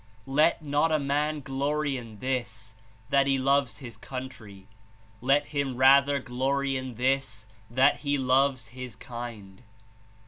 "Let not a man glory in this, that he loves his country; let him rather glory in this, that he loves his kind."